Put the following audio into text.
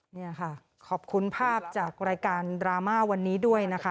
นี่ค่ะขอบคุณภาพจากรายการดราม่าวันนี้ด้วยนะคะ